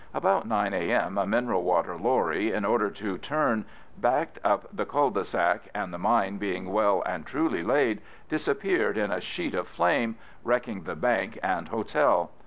About 9 A.M. a mineral water lorry, in order to turn, backed up the cul de sac, and the mine being well and truly laid, disappeared in a sheet of flame, wrecking the bank and hotel.